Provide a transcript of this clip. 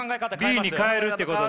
Ｂに変えるってことだ？